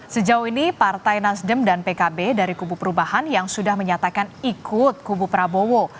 sejauh ini partai nasdem dan pkb dari kubu perubahan yang sudah menyatakan ikut kubu prabowo